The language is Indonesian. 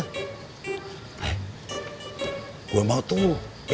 eh gue mau tunggu